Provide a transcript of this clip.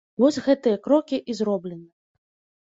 Вось гэтыя крокі і зроблены.